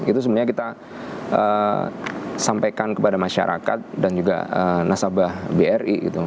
itu sebenarnya kita sampaikan kepada masyarakat dan juga nasabah bri